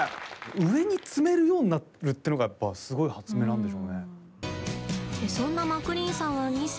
上に積めるようになるっていうのがすごい発明なんでしょうね。